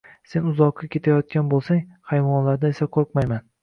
Sen uzoqqa ketayotgan bo‘lsang... Hayvonlardan esa qo‘rqmayman.